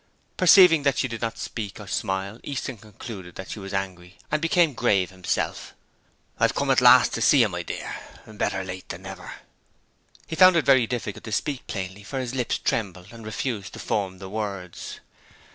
Perceiving that she did not speak or smile, Easton concluded that she was angry and became grave himself. 'I've come at last, you see, my dear; better late than never.' He found it very difficult to speak plainly, for his lips trembled and refused to form the words.